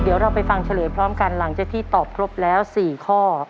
เดี๋ยวเราไปฟังเฉลยพร้อมกันหลังจากที่ตอบครบแล้ว๔ข้อ